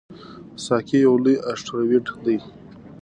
سایکي یو لوی اسټروېډ دی.